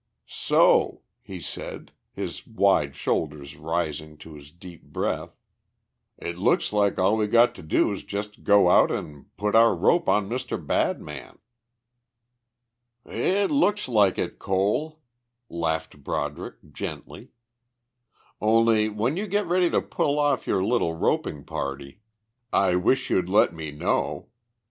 "So," he said, his wide shoulders rising to his deep breath, "it looks like all we got to do is just go out and put our rope on Mr. Badman!" "It looks like it, Cole," laughed Broderick gently. "Only when you get ready to pull off your little roping party I wish you'd let me know.